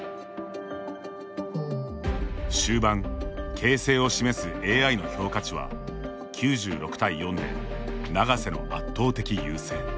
終盤、形勢を示すＡＩの評価値は９６対４で永瀬の圧倒的優勢。